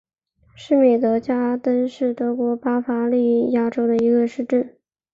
施米德加登是德国巴伐利亚州的一个市镇。